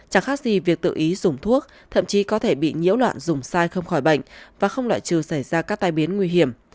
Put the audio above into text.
chẳng khác gì việc tự ý dùng thuốc thậm chí có thể bị nhiễu loạn dùng sai không khỏi bệnh và không loại trừ xảy ra các tai biến nguy hiểm